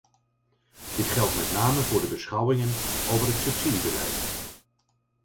Dit geldt met name voor de beschouwingen over het subsidiebeleid.